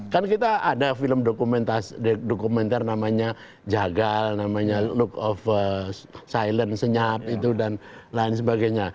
kan kita ada film dokumenter namanya jagal namanya look of silent senyap itu dan lain sebagainya